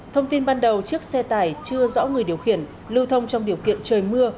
thông tin ban đầu chiếc xe tải chưa rõ người điều khiển lưu thông trong điều kiện trời mưa